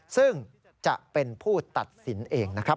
ซึ่งจะเป็นผู้ตัดสินเองนะครับ